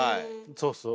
そうそう。